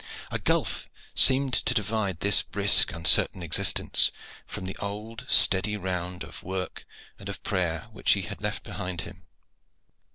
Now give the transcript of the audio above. A gulf seemed to divide this brisk uncertain existence from the old steady round of work and of prayer which he had left behind him.